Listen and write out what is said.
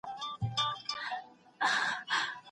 ایا ډېرو ړوند سړیو په ګڼ ځای کي ږیري درلودې؟